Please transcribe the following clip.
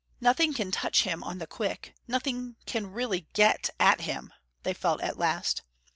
"Nothing can touch him on the quick, nothing can really GET at him," they felt at last.